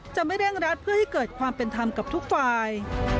จะไม่เร่งรัดเพื่อให้เกิดความเป็นธรรมกับทุกฝ่าย